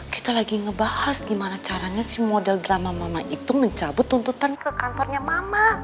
kita lagi ngebahas gimana caranya si model drama mama itu mencabut tuntutan ke kantornya mama